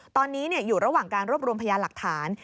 ตอนนี้อยู่ระหว่างการรวบรวมพยานหลักฐาน